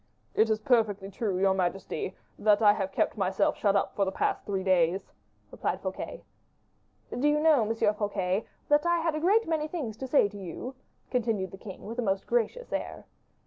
"It is perfectly true, your majesty, that I have kept myself shut up for the past three days," replied Fouquet. "Do you know, M. Fouquet, that I had a great many things to say to you?" continued the king, with a most gracious air.